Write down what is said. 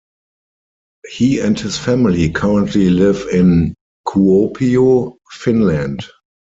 He and his family currently live in Kuopio, Finland.